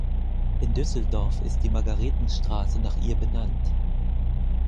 In Düsseldorf ist die Margaretenstraße nach ihr benannt.